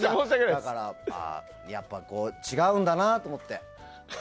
だから、やっぱ違うんだなと思って。